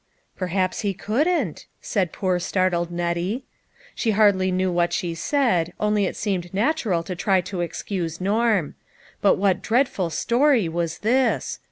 " Perhaps he couldn't," said poor startled Net tie. She hardly knew what she said, only it seemed natural to try to 'excuse Norm. But what dreadful story was this